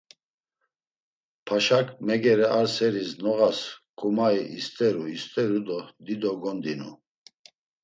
Paşak megere ar seris noğas ǩumai isteru isteru do dido gondinu.